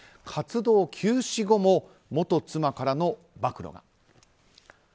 活動休止後も元妻からの暴露が。